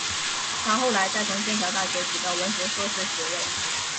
她后来再从剑桥大学取得文学硕士学位。